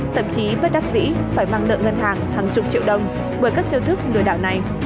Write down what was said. thậm chí bất đắc dĩ phải mang nợ ngân hàng hàng chục triệu đồng bởi các chiêu thức lừa đảo này